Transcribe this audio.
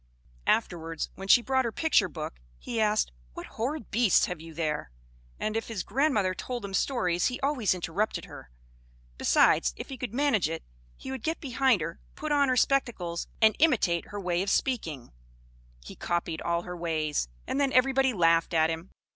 Afterwards, when she brought her picture book, he asked, "What horrid beasts have you there?" And if his grandmother told them stories, he always interrupted her; besides, if he could manage it, he would get behind her, put on her spectacles, and imitate her way of speaking; he copied all her ways, and then everybody laughed at him.